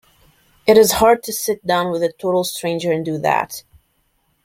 It is hard to sit down with a total stranger and do that.